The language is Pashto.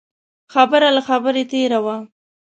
خبره له خبرې تېره وه.